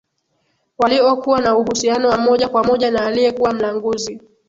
waliokuwa na uhusiano wa moja kwa moja na aliyekuwa mlanguzi